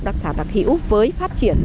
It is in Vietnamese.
đặc sản đặc hữu với phát triển